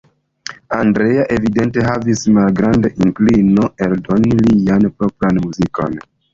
Andrea evidente havis malgrandan inklino eldoni lian propran muzikon.